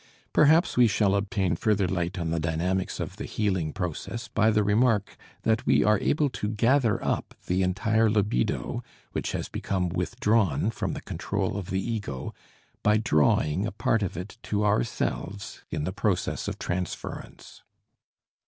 Perhaps we shall obtain further light on the dynamics of the healing process by the remark that we are able to gather up the entire libido which has become withdrawn from the control of the ego by drawing a part of it to ourselves in the process of transference.